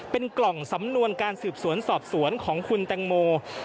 เป็นกล่องสำนวนการสืบสวนสอบสวนของคุณแตงโม